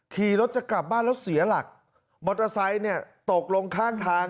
ขี่รถจะกลับบ้านแล้วเสียหลักมอเตอร์ไซค์เนี่ยตกลงข้างทาง